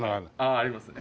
あありますね。